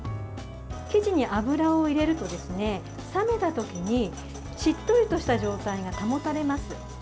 生地に油を入れると、冷めた時にしっとりとした状態が保たれます。